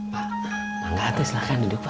pak mangga arti silahkan duduk pak